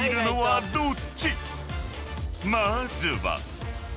［まずは］